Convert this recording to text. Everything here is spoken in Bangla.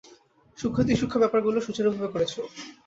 সূক্ষ্মাতিসূক্ষ্ম ব্যাপারগুলোও সুচারুভাবে করেছ।